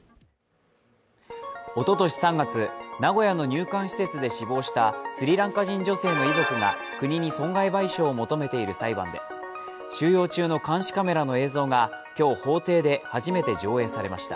おととし３月、名古屋の入管施設で死亡したスリランカ人女性の遺族が国に損害賠償を求めている裁判で収容中の監視カメラの映像が今日、法廷で初めて上映されました。